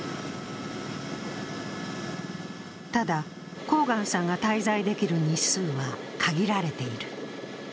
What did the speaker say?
ただ、コーガンさんが滞在できる日数は限られている。